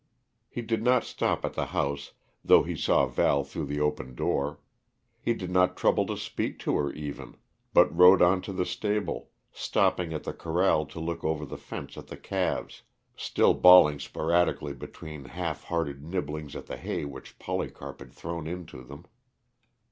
He did not stop at the house, though he saw Val through the open door; he did not trouble to speak to her, even, but rode on to the stable, stopping at the corral to look over the fence at the calves, still bawling sporadically between half hearted nibblings at the hay which Polycarp had thrown in to them.